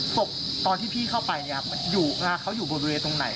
ศพตอนที่พี่เข้าไปอยู่บริเวณตรงไหน